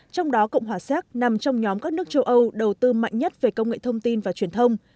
trong đó cộng hòa xéc nằm trong nhóm các nước châu âu đầu tư mạnh nhất về công nghệ thông tin và truyền thông